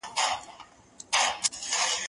زه اوس کتابتون ته راځم!؟